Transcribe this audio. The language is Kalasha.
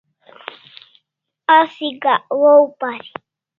Asi gak waw pari